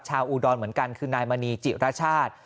อุดรเหมือนกันคือนายมณีจิรชาติ